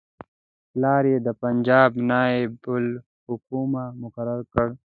پلار یې د پنجاب نایب الحکومه مقرر کړ.